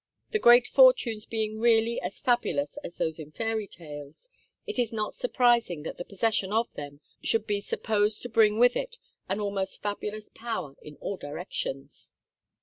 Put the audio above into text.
The great fortunes being really as fabulous as those in fairy tales, it is not surprising that the possession of them should be supposed to bring with it an almost fabulous power in all directions.